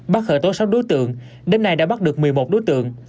bắt khởi tố sáu đối tượng đến nay đã bắt được một mươi một đối tượng